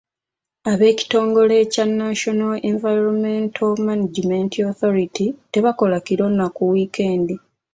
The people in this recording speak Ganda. Ab'ekitongole kya National Environmental Management Authority tebakola kiro na ku wiikendi.